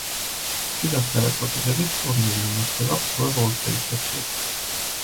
ფიბას გადაწყვეტილებით ტურნირი იმართება ყოველ ორ წელიწადში ერთხელ.